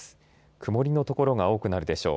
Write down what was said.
曇りの所が多くなるでしょう。